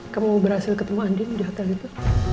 kamu berhasil ketemu andin di hotel itu